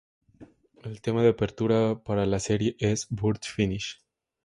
El tema de apertura para la serie es "Burst Finish!